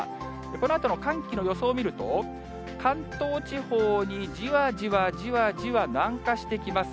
このあとの寒気の予想見ると、関東地方に、じわじわじわじわ南下してきます。